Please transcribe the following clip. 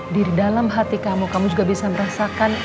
di dalam hati kamu kamu juga bisa merasakan